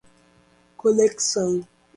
conexão